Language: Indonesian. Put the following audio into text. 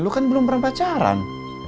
lu kan belum pernah pacaran